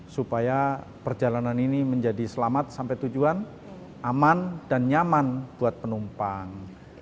supaya perjalanan ini menjadi selamat sampai tujuan aman dan nyaman buat penumpang